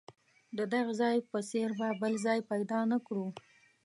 د دغه ځای په څېر به بل ځای پیدا نه کړو.